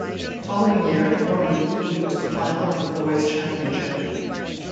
The following year at Formby he reached the final of the Boys Championship.